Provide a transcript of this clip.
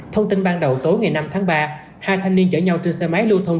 thông tin ban đầu tối ngày năm tháng ba hai thanh niên chở nhau trên xe máy lưu thông